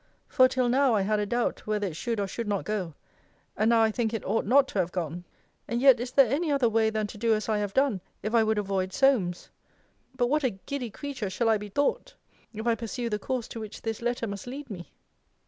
For, till now, I had a doubt, whether it should or should not go: and now I think it ought not to have gone. And yet is there any other way than to do as I have done, if I would avoid Solmes? But what a giddy creature shall I be thought, if I pursue the course to which this letter must lead me?